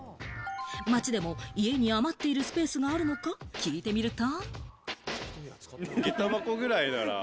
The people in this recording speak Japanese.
街でも家に余っているスペースがあるのか聞いてみると。